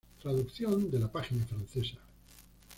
Traducción de la página francesa.